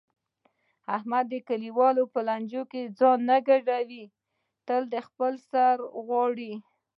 احمد د کلیوالو په لانجو کې ځان نه ګډوي تل د خپل سر غواړي.